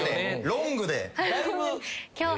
ロングで。